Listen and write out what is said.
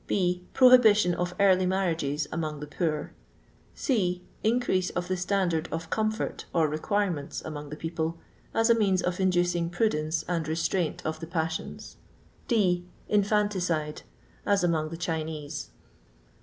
I. Prohibition of early marriages among the poor. c. Increase of the standard of comfort, or requirements, among the people; as a means of inducing prudence and re straint of the passions. d. Infimticide ; as among the Chinese.